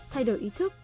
thay đổi ý thức